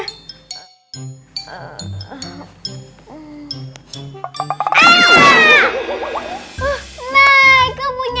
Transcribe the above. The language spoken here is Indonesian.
kau bisa beli kue dari butet